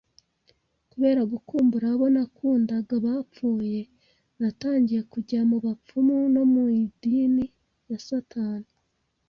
Kubera gukumbura abo nakundaga bapfuye, natangiye kujya mu bapfumu no mu idini ya Satani